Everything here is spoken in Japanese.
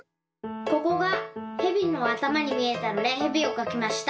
ここがヘビのあたまにみえたのでヘビをかきました。